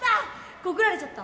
告られちゃった。